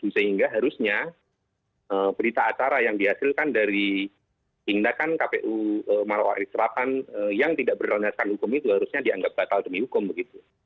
sehingga harusnya berita acara yang dihasilkan dari tindakan kpu marwari serapan yang tidak berlandaskan hukum itu harusnya dianggap batal demi hukum begitu